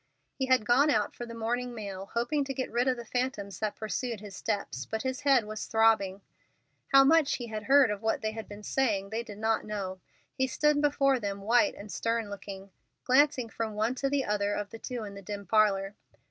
He had gone out for the morning mail, hoping to get rid of the phantoms that pursued his steps, but his head was throbbing. How much he had heard of what they had been saying, they did not know. He stood before them white and stern looking, glancing from one to the other of the two in the dim parlor.